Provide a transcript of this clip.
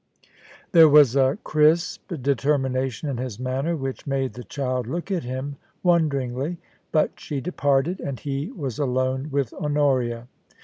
There was a crisp determination in his manner which made the child look at him wonderingly ; but she departed, and he was alone with Honoria.